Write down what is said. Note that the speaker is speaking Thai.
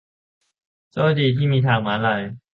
โชคดีที่มีทางม้าลาย